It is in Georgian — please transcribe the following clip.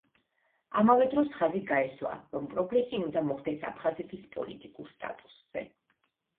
ამავე დროს, ხაზი გაესვა, რომ პროგრესი უნდა მოხდეს აფხაზეთის პოლიტიკურ სტატუსზე.